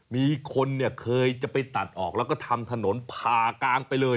มีคนเนี่ยเคยจะไปตัดออกแล้วก็ทำถนนผ่ากลางไปเลย